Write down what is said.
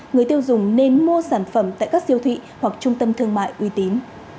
người tiêu dùng nên mua sản phẩm tại các siêu thị hoặc trung tâm thương mại uy tín